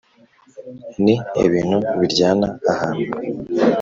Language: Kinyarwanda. ni ibintu biryana ahantu